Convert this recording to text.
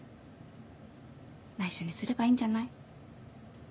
内緒にすればいいんじゃない？